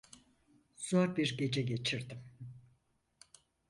Zor bir gece geçirdim.